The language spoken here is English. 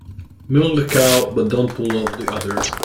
Milk the cow but don't pull off the udder.